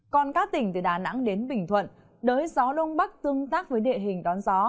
còn các tỉnh từ đà nẵng đến bình thuận đới gió đông bắc tương tác với địa hình đón gió